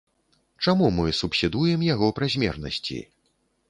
Чаму мы субсідуем яго празмернасці?